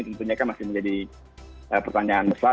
tentunya kan masih menjadi pertanyaan besar